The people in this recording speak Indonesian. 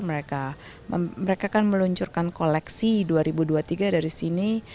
mereka mereka kan meluncurkan koleksi dua ribu dua puluh tiga dari sini